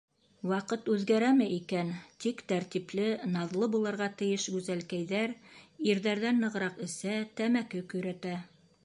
Ваҡыт үҙгәрәме икән, тик тәртипле, наҙлы булырға тейеш гүзәлкәйҙәр ирҙәрҙән нығыраҡ эсә, тәмәке көйрәтә.